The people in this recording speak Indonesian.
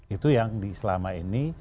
itu yang selama ini